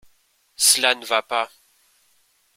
Cela ne va pas.